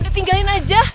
udah tinggalin aja